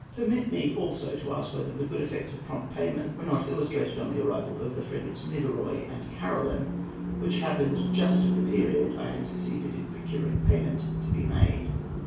Permit me also to ask whether the good effects of prompt payment were not illustrated on the arrival of the frigates Nitherohy and Caroline, which happened just at the period I had succeeded in procuring payment to be made.